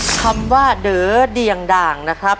คำว่าเด๋อเดียงด่างนะครับ